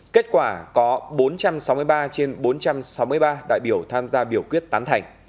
kết quả có bốn trăm sáu mươi ba trên bốn trăm sáu mươi ba đại biểu tham gia biểu quyết tán thành